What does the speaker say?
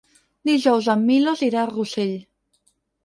Dijous en Milos irà a Rossell.